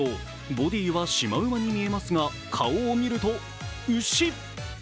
ボディはシマウマに見えますが顔を見ると牛。